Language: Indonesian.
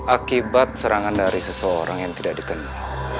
akibat serangan dari seseorang yang tidak dikenal